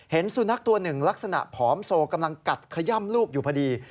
สุนัขตัวหนึ่งลักษณะผอมโซกำลังกัดขย่ำลูกอยู่พอดี